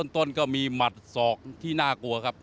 ต้นก็มีหมัดศอกที่น่ากลัวครับ